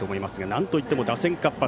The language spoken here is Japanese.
なんといっても打線活発。